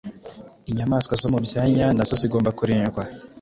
Inyamaswa zo mu byanya na zo zigomba kurindwa